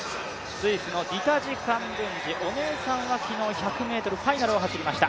スイスのディタジ・カンブンジ、お姉さんは昨日１００ｍファイナルを走りました。